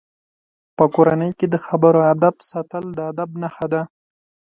په کورنۍ کې د خبرو آدب ساتل د ادب نښه ده.